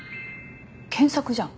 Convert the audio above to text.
検索じゃん。